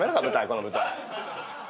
この舞台。